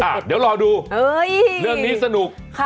เดี๋ยวรอดูเรื่องนี้สนุก